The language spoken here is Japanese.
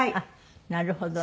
なるほどね。